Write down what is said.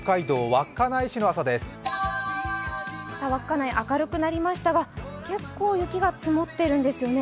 稚内、明るくなりましたが、結構雪が積もっているんですね。